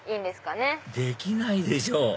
できないでしょ